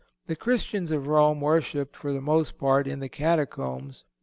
The Christians of Rome worshiped for the most part in the catacombs.